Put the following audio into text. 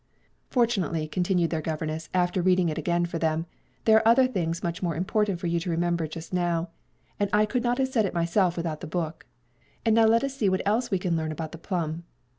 "Fortunately," continued their governess, after reading it again for them, "there are other things much more important for you to remember just now, and I could not have said it myself without the book. And now let us see what else we can learn about the plum.